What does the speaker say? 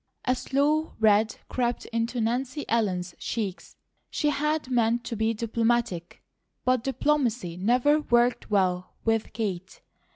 A slow red crept into Nancy Ellen's cheeks. She had meant to be diplomatic, but diplomacy never worked well with Kate.